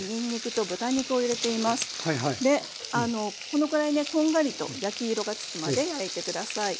でこのくらいねこんがりと焼き色がつくまで焼いて下さい。